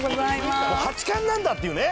山崎：八冠なんだっていうね。